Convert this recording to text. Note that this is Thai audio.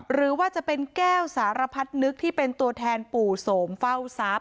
หรือว่าจะเป็นแก้วสารพัฒนึกที่เป็นตัวแทนปู่โสมเฝ้าทรัพย